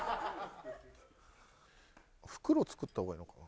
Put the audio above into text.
袋を作った方がいいのかな？